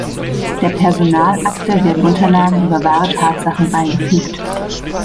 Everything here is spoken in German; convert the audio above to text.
Der Personalakte werden Unterlagen über wahre Tatsachen beigefügt.